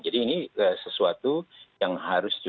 jadi ini adalah hal yang harus diatur